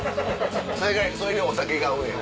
それにお酒が合うねや。